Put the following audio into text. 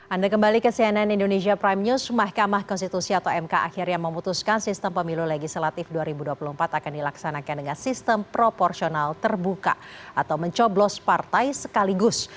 anda kembali ke cnn indonesia prime news mahkamah konstitusi atau mk akhirnya memutuskan sistem pemilu legislatif dua ribu dua puluh empat akan dilaksanakan dengan sistem proporsional terbuka atau mencoblos partai sekaligus